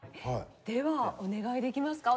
ではお願いできますか？